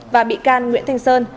và bị can nguyễn thanh sơn